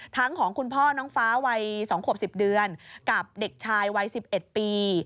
ของคุณพ่อน้องฟ้าวัย๒ขวบ๑๐เดือนกับเด็กชายวัย๑๑ปี